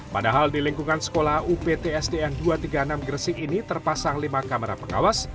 padahal di lingkungan sekolah upt sdn dua ratus tiga puluh enam gresik ini terpasang lima kamera pengawas